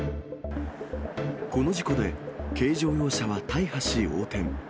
この事故で、軽乗用車は大破し横転。